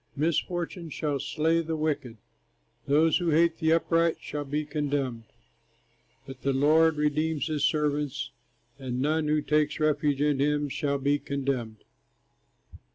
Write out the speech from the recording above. Misfortune shall slay the wicked, Those who hate the upright shall be condemned; But the Lord redeems his servants, And none who takes refuge in him shall be condemned.